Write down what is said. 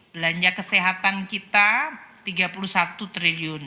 belanja kesehatan kita rp tiga puluh satu triliun